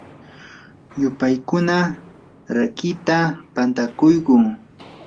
yupaykuna rakiita pantakuyquu.